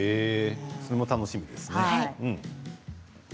それも楽しみですね。